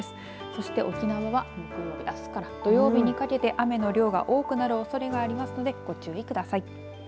そして沖縄は木曜日、あすから土曜日にかけて雨の量が多くなるおそれがありますのでご注意ください。